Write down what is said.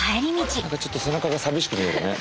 何かちょっと背中が寂しく見えるね。